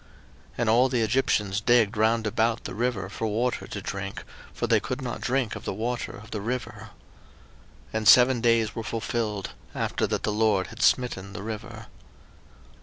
02:007:024 And all the Egyptians digged round about the river for water to drink; for they could not drink of the water of the river. 02:007:025 And seven days were fulfilled, after that the LORD had smitten the river.